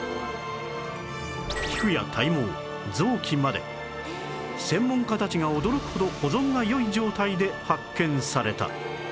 皮膚や体毛臓器まで専門家たちが驚くほど保存が良い状態で発見された